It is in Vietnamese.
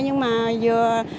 nhưng mà vừa